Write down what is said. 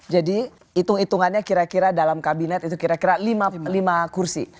jadi hitung hitungannya kira kira dalam kabinet itu kira kira lima kursi